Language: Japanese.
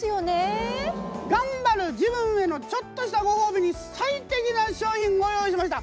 がんばる自分へのちょっとしたご褒美に最適な商品ご用意しました。